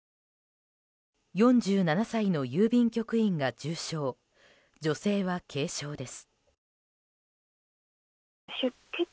４７歳の郵便局員が重傷女性は軽傷です。